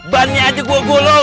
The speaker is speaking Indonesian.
bannya aja gue gulung